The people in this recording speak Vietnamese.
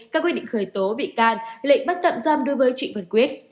các quyết định khởi tố bị can lệnh bắt tạm giam đối với trịnh văn quyết